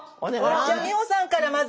じゃ美穂さんからまず。